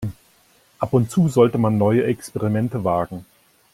Ab und zu sollte man neue Experimente wagen.